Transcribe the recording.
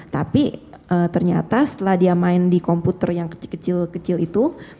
tapi ternyata setelah dia main di komputer yang kecil kecil itu